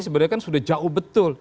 sebenarnya kan sudah jauh betul